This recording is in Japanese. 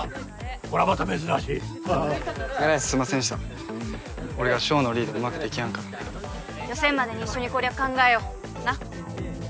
これはまた珍しいハハッえらいすいませんでした俺が翔のリードうまくできやんから予選までに一緒に攻略考えようなっ？